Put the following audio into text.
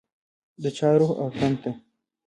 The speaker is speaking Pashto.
د چا روح او تن ته